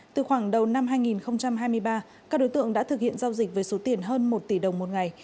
từ khoảng đầu năm hai nghìn hai mươi ba các đối tượng đã thực hiện giao dịch với số tiền hơn một tỷ đồng một ngày